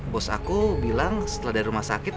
bos aku bilang setelah dari rumah sakit